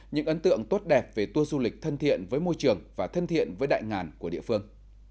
những ấn tượng tốt đẹp về tour du lịch thân thiện với môi trường và thân thiện với đại ngàn của địa phương